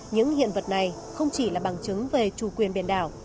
những hiện vật này không chỉ là bằng chứng về chủ quyền biển đảo